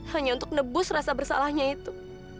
hanya untuk nebus rasa bersalahnya itu